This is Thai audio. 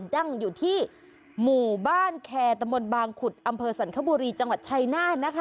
ตั้งอยู่ที่หมู่บ้านแคร์ตะมนต์บางขุดอำเภอสรรคบุรีจังหวัดชัยนาธนะคะ